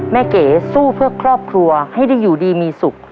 แม่เก๋สู้เพื่อครอบครัวให้ยูดีมีสุข